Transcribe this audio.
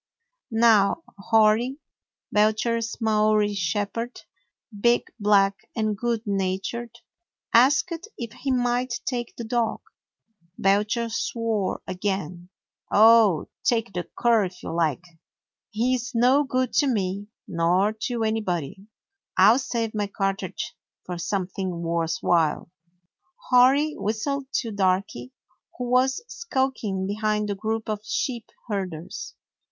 New Hori, Belcher's Maori shepherd, big, black, and good natured, asked if he might take the dog. Belcher swore again. 108 A NEW ZEALAND DOG "Oh, take the cur if you like. He ' s no good to me, nor to anybody. I 'll save my cartridge for something worth while." Hori whistled to Darky, who was skulking behind the group of sheep herders.